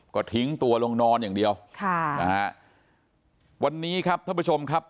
ก็ทิ้งตัวลงนอนอย่างเดียวค่ะนะฮะวันนี้ครับท่านผู้ชมครับ